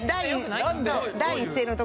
第一声のところが。